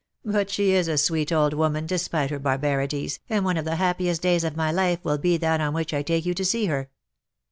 "* But she is a sweet old woman, despite her barbarities, and one of the happiest days of my life will be that on which I take you to sec her.